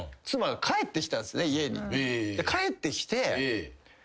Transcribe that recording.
帰ってきて。